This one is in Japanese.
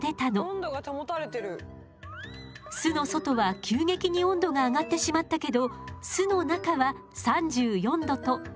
巣の外は急激に温度が上がってしまったけど巣の中は３４度とほぼ横ばい。